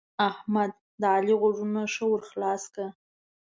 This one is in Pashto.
احمد؛ د علي غوږونه ښه ور خلاص کړل.